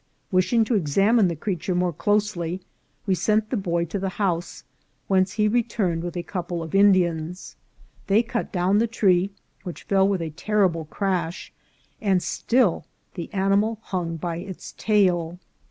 Wishing to examine the creature more closely, we sent the boy to the house, whence he returned with a couple of Indians. They cut down the tree, which fell with a terrible crash, and still the animal hung by its tail.